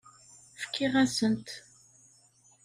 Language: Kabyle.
Fkiɣ-asen-t.